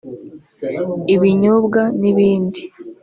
ibinyobwa n’ibindi